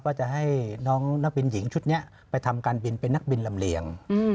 ก็จะให้น้องนักบินหญิงชุดนี้ไปทำการบินเป็นนักบินลำเลียง